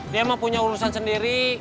dia emang punya urusan sendiri